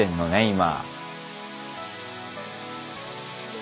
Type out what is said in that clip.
今。